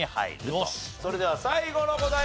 それでは最後の答え